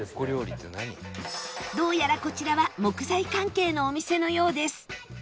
どうやらこちらは木材関係のお店のようです